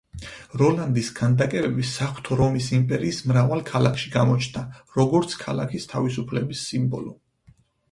როლანდის ქანდაკებები საღვთო რომის იმპერიის მრავალ ქალაქში გამოჩნდა, როგორც ქალაქის თავისუფლების სიმბოლო.